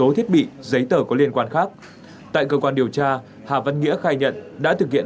số thiết bị giấy tờ có liên quan khác tại cơ quan điều tra hà văn nghĩa khai nhận đã thực hiện